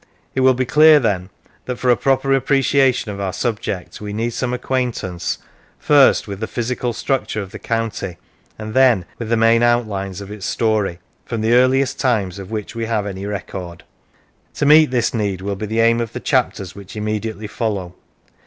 It will be clear then that for a proper appreciation of our subject we need some acquaint ance, first with the physical structure of the county, and then with the main outlines of its story, from the earliest times of which we have any record. To meet this need will be the aim of the chapters which immediately follow.